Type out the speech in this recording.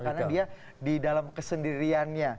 karena dia di dalam kesendiriannya